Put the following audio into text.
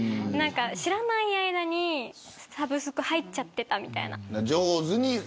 知らない間にサブスク入っちゃってたみたいな。